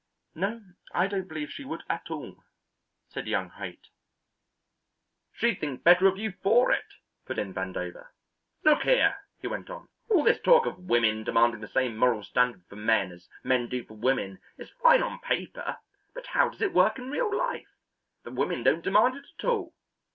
"No, I don't believe she would at all," said young Haight. "She'd think better of you for it," put in Vandover. "Look here," he went on, "all this talk of women demanding the same moral standard for men as men do for women is fine on paper, but how does it work in real life? The women don't demand it at all.